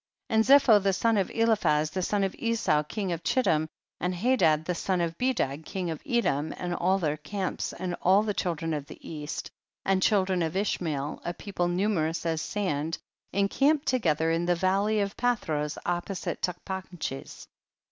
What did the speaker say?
25. And Zepho the son of Eliphaz the son of Esau king of Chiltim, and Hadad the son of Bedad king of Edom, and all their camps, and all the children of the east, and children of Ishmael, a people numerous as sand, encamped together in the val ley of Palhros opposite Tachpanches.